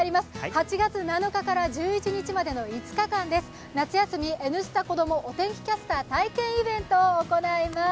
８月７日から１１日までの５日間です、夏休み「Ｎスタ」子どもお天気キャスター体験イベントを行います。